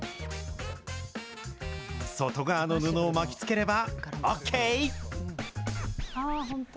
外側の布を巻きつければ、ＯＫ。